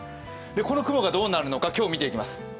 この雲がどうなるのか今日、見ていきます。